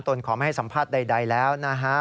คุณต้นขอไม่ให้สัมภาษณ์ใดแล้ว